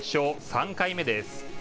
３回目です。